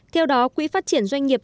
theo đó quỹ phát triển doanh nghiệp